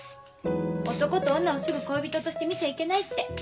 男と女をすぐ恋人として見ちゃいけないって。